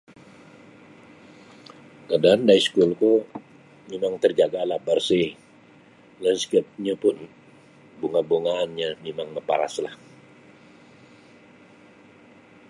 Kaadaan da iskulku mimang terjaga'lah barsih linskipnyo pun bunga'-bungaannyo mimang maparaslah.